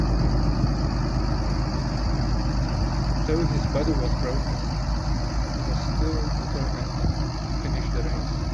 Though his body was broken, he was still determined to finish the race.